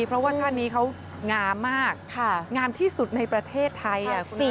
เพราะว่าชาตินี้เขางามมากงามที่สุดในประเทศไทย